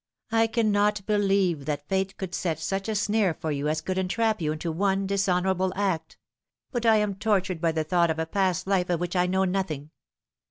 I cannot believe that Fate could set such a snare for you as could entrap you into one dishonourable act ; but I am tortured by the thought of a past life of which I know nothing.